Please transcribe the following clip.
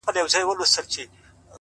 خو اوس د اوښكو سپين ځنځير پر مخ گنډلی-